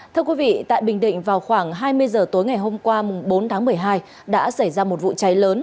thưa quý vị tại bình định vào khoảng hai mươi giờ tối ngày hôm qua bốn tháng một mươi hai đã xảy ra một vụ cháy lớn